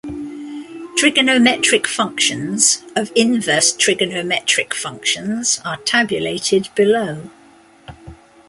Trigonometric functions of inverse trigonometric functions are tabulated below.